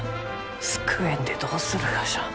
救えんでどうするがじゃ？